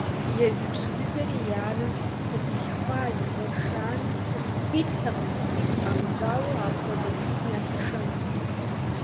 Езы пщы дыдэри, и анэм къыдилъхуа и къуэшрами, хуиттэкъым хуит къамыщӏауэ апхуэдэ гупым яхишэну.